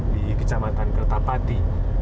di kecamatan kertapati